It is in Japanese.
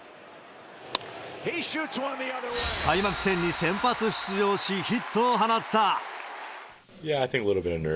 開幕戦に先発出場し、ヒットを放った。